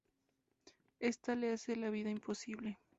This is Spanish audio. Esta le hace la vida imposible.